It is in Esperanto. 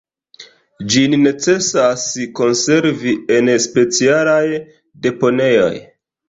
Ĝin necesas konservi en specialaj deponejoj.